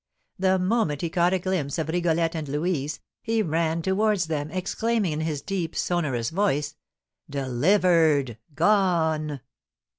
The moment he caught a glimpse of Rigolette and Louise, he ran towards them, exclaiming in his deep, sonorous voice, "Delivered! Gone!"